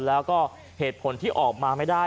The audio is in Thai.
แล้วก็เหตุผลที่ออกมาไม่ได้